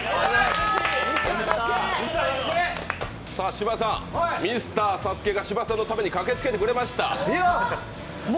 芝さん、ミスターＳＡＳＵＫＥが芝さんのために駆けつけてくれました。